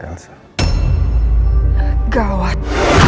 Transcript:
kenapa kau tak lawat